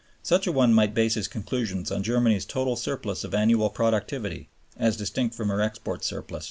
Such a one might base his conclusions on Germany's total surplus of annual productivity as distinct from her export surplus.